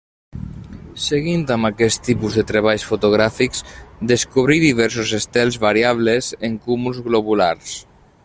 Seguint amb aquest tipus de treballs fotogràfics descobrí diversos estels variables en cúmuls globulars.